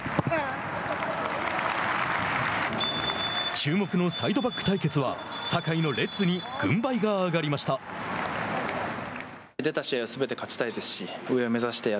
注目のサイドバック対決は酒井のレッズに軍配が上がりました。